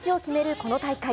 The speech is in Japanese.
この大会。